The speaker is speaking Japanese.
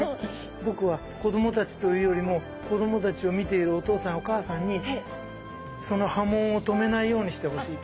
僕は子どもたちというよりも子どもたちを見ているお父さんやお母さんにその波紋を止めないようにしてほしいと思う。